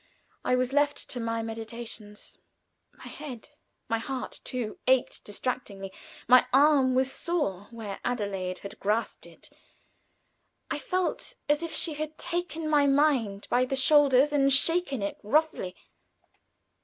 I was left to my meditations. My head my heart too ached distractingly; my arm was sore where Adelaide had grasped it; I felt as if she had taken my mind by the shoulders and shaken it roughly.